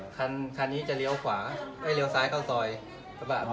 คันคันนี้จะเลี้ยวขวาเอ้ยเลี้ยวซ้ายเข้าซอยกระบะอ๋อ